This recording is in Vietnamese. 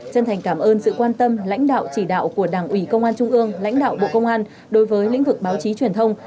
chân thành cảm ơn sự quan tâm lãnh đạo chỉ đạo của đảng ủy công an trung ương lãnh đạo bộ công an đối với lĩnh vực báo chí truyền thông